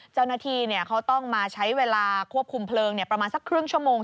เจ้าหน้าที่เขาต้องมาใช้เวลาควบคุมเพลิงประมาณสักครึ่งชั่วโมง